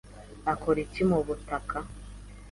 akora iki mubutaka?